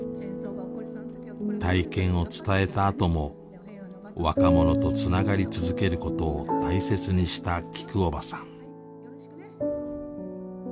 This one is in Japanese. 体験を伝えたあとも若者とつながり続けることを大切にしたきくおばさん。